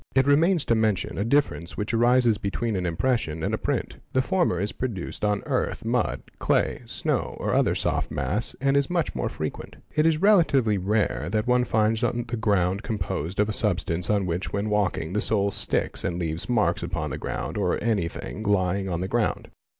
It remains to mention a difference which arises between an impres sion and a print; the former is produced on earth, mud, clay, snow, or ' other soft mass and is much more frequent. It is relatively rare that one finds the ground composed of a substance on which when walking the sole sticks and leaves marks upon the ground or on any thing lying on the ground.